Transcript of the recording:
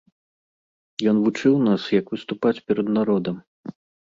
Ён вучыў нас, як выступаць перад народам.